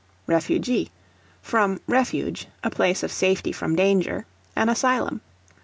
Refugee, from refuge, a place of safety from danger; an asylum.